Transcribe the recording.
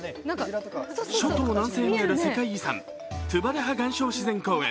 諸島南西にある世界遺産トゥバタハ岩礁自然公園